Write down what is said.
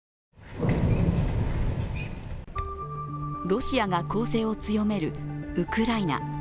ロシアが攻勢を強めるウクライナ。